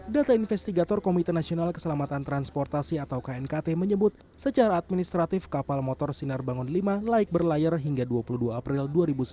data investigator komite nasional keselamatan transportasi atau knkt menyebut secara administratif kapal motor sinar bangun v laik berlayar hingga dua puluh dua april dua ribu sembilan belas